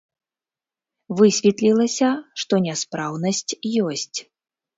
Высветлілася, што няспраўнасць ёсць.